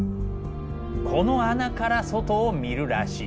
この穴から外を見るらしい。